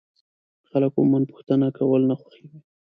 خلک عموما پوښتنه کول نه خوښوي.